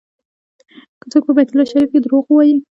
که څوک په بیت الله شریف کې دروغ ووایي.